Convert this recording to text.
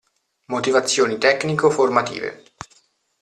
Motivazioni tecnico formative.